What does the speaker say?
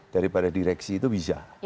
daripada direksi itu bisa